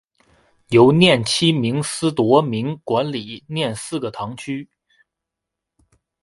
由廿七名司铎名管理廿四个堂区。